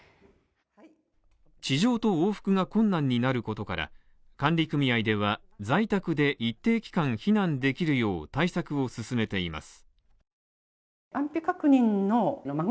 地上と往復が困難になることから、管理組合では、在宅で一定期間避難できるよう対策を進めています。